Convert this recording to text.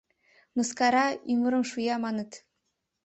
— Мыскара ӱмырым шуя, маныт.